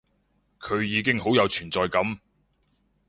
佢已經好有存在感